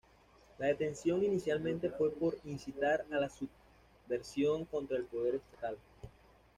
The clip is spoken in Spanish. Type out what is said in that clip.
La detención inicialmente fue por incitar a la subversión contra el poder estatal.